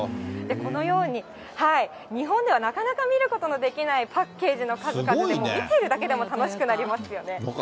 このように日本ではなかなか見ることのできないパッケージの数々で、見ているだけでも楽しくなりますよね。